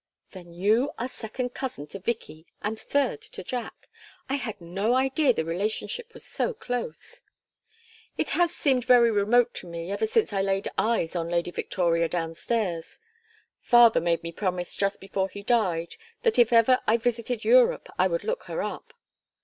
"Then you are second cousin to Vicky and third to Jack. I had no idea the relationship was so close." "It has seemed very remote to me ever since I laid eyes on Lady Victoria down stairs. Father made me promise, just before he died, that if ever I visited Europe I would look her up.